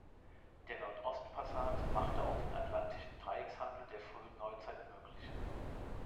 Der Nordost-Passat machte auch den Atlantischen Dreieckshandel der frühen Neuzeit möglich.